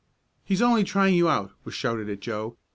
"He's only trying you out!" was shouted at Joe.